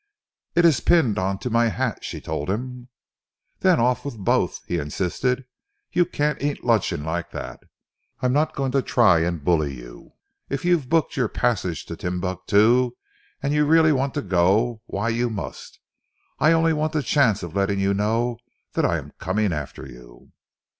"It is pinned on to my hat," she told him. "Then off with both," he insisted. "You can't eat luncheon like that. I'm not going to try and bully you. If you've booked your passage to Timbuctoo and you really want to go why, you must. I only want the chance of letting you know that I am coming after you."